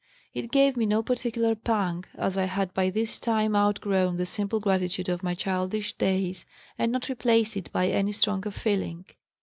It gave me no particular pang as I had by this time outgrown the simple gratitude of my childish days and not replaced it by any stronger feeling.